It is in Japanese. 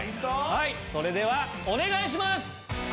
はいそれではお願いします！